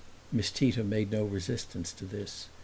Miss Tita made no resistance to this.